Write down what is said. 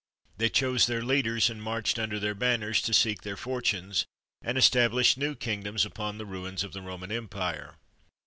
They chose their leaders, and marched under their banners to seek their fortunes and establish new kingdoms upon the ruins of the Roman Empire.